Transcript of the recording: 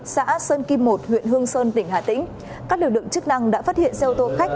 xã sơn kim một huyện hương sơn tỉnh hà tĩnh các lực lượng chức năng đã phát hiện xe ô tô khách